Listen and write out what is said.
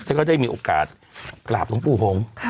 เธอก็ได้มีโอกาสกลับลงปู่หงษ์ค่ะ